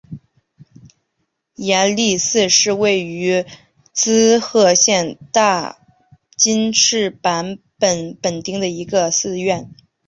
延历寺是位于滋贺县大津市坂本本町的一个寺院。